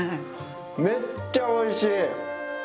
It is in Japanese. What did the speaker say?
めっちゃおいしい！